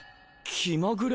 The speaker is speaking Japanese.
気まぐれ？